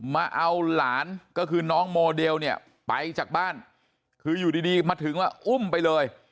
มาเอาหลานก็คือน้องโมเดลเนี่ยไปจากบ้านคืออยู่ดีมาถึงว่าอุ้มไปเลย